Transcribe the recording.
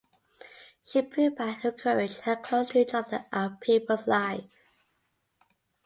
She proved by her courage how close to each other our peoples live.